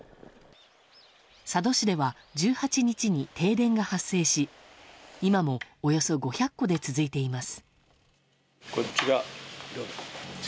佐渡市では１８日に停電が発生し今もおよそ５００戸で続いています。